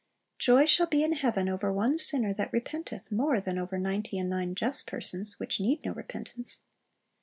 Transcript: "Joy shall be in heaven over one sinner that repenteth, more than over ninety and nine just persons, which need no repentance."